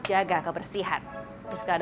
jika anda mengambil alat kesehatan